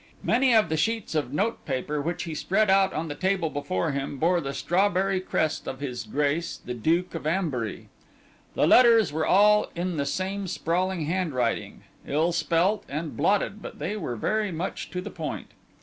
Many of the sheets of notepaper which he spread out on the table before him bore the strawberry crest of his grace the Duke of Ambury. The letters were all in the same sprawling handwriting; ill spelt and blotted, but they were very much to the point.